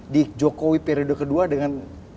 di jokowi periode kedua dengan